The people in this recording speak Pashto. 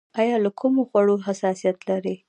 ایا له کومو خوړو حساسیت لرئ؟